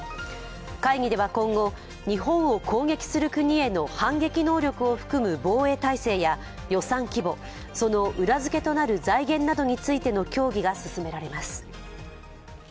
会議では今後、日本を攻撃する国への反撃能力を含む防衛体制や予算規模、その裏付けとなる財源などについての協議が進められます。